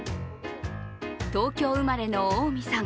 東京生まれの大見さん